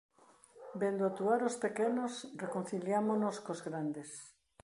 Vendo actuar ós pequenos reconciliámonos cos grandes.